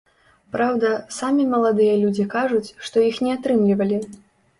Праўда, самі маладыя людзі кажуць, што іх не атрымлівалі.